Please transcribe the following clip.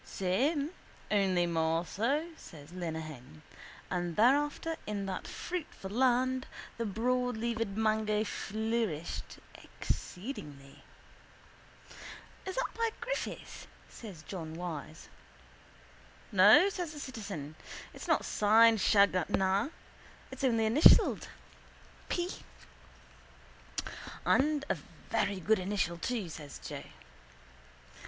—Same only more so, says Lenehan. And thereafter in that fruitful land the broadleaved mango flourished exceedingly. —Is that by Griffith? says John Wyse. —No, says the citizen. It's not signed Shanganagh. It's only initialled: P. —And a very good initial too, says Joe.